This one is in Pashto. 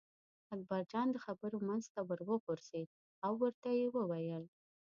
اکبرجان د خبرو منځ ته ور وغورځېد او ورته یې وویل.